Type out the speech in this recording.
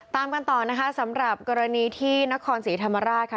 ตามกันต่อนะคะสำหรับกรณีที่นครศรีธรรมราชค่ะ